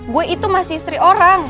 gue itu masih sri orang